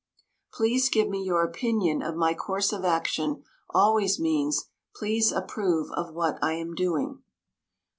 "Please give me your opinion of my course of action" always means, "Please approve of what I am doing."